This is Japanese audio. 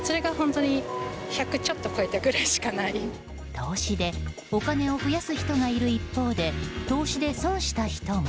投資でお金を増やす人がいる一方で投資で損した人も。